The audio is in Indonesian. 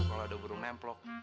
kalau ada burung nempelok